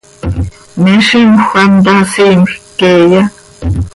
¿Me zímjöc hant haa siimjc queeya?